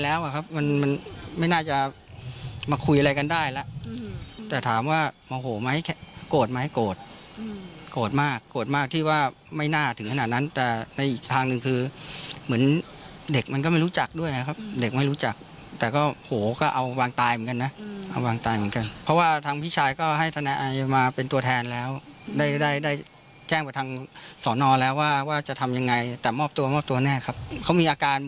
แต่ถามว่าโมโหไหมโกรธไหมโกรธโกรธมากโกรธมากที่ว่าไม่น่าถึงขนาดนั้นแต่ในอีกทางหนึ่งคือเหมือนเด็กมันก็ไม่รู้จักด้วยครับเด็กไม่รู้จักแต่ก็โหก็เอาวางตายเหมือนกันนะเอาวางตายเหมือนกันเพราะว่าทางพี่ชายก็ให้ธนาอายมาเป็นตัวแทนแล้วได้ได้ได้แจ้งว่าทางสอนอแล้วว่าจะทำยังไงแต่มอบตัวม